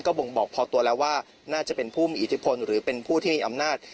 บ่งบอกพอตัวแล้วว่าน่าจะเป็นผู้มีอิทธิพลหรือเป็นผู้ที่มีอำนาจ